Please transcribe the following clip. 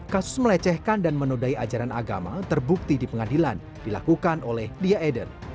kasus melecehkan dan menodai ajaran agama terbukti di pengadilan dilakukan oleh dia eden